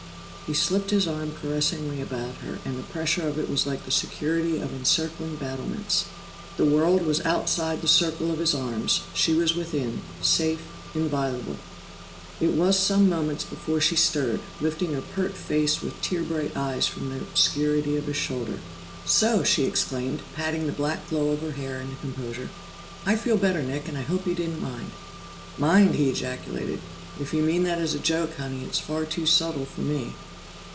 He slipped his arm caressingly about her, and the pressure of it was like the security of encircling battlements. The world was outside the circle of his arms; she was within, safe, inviolable. It was some moments before she stirred, lifting her pert face with tear bright eyes from the obscurity of his shoulder. "So!" she exclaimed, patting the black glow of her hair into composure. "I feel better, Nick, and I hope you didn't mind." "Mind!" he ejaculated. "If you mean that as a joke, Honey, it's far too subtle for me."